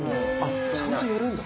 ちゃんとやるんだ？